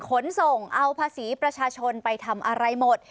ขนส่งเอาภาษีประชาชนไปทำอะไรหมด